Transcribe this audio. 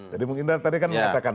jadi mungkin tadi kan mengatakan